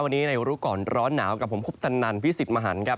วันนี้ในรู้ก่อนร้อนหนาวกับผมคุปตันนันพิสิทธิ์มหันครับ